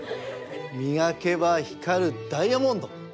みがけばひかるダイヤモンド！